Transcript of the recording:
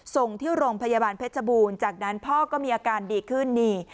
ส่งที่โรงพยาบาลเพชรบูรณ์จากนั้นพ่อก็มีอาการดีขึ้นนี่